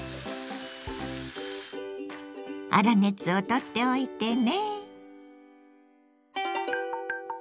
粗熱をとっておいてね。